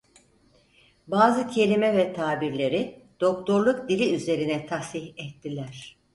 Bazı kelime ve tabirleri, doktorluk dili üzere tashih ettiler.